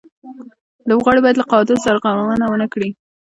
لوبغاړي باید له قاعدو سرغړونه و نه کړي.